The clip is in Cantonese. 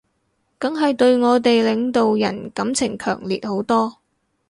梗係對我哋領導人感情強烈好多